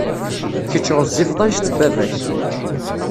Kecc ɣezzifeḍ anect n baba-k.